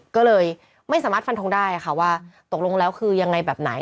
ก็เลยไม่สามารถฟันทงได้ค่ะว่าตกลงแล้วคือยังไงแบบไหน